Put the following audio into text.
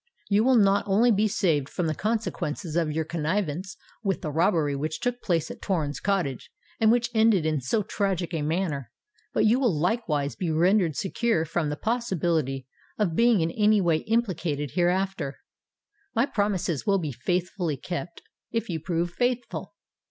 You will not only be saved from the consequences of your connivance with the robbery which took place at Torrens Cottage, and which ended in so tragic a manner; but you will likewise be rendered secure from the possibility of being in any way implicated hereafter. My promises will be faithfully kept, if you prove faithful.